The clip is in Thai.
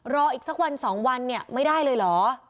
รออีกสักวัน๒วันเนี่ยไม่ได้เลยเหรอ